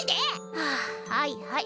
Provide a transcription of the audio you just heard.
はぁはいはい。